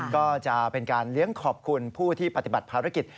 ก็จะเป็นการเลี้ยงขอบคุณผู้ที่ปฏิบัติภารกิจ